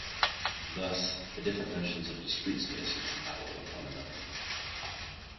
Thus, the different notions of discrete space are compatible with one another.